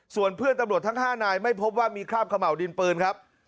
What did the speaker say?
ส่วนเพื่อนตำรวจทั้ง๕นายไม่พบว่ามีคราบขม่าวดินปืนครับ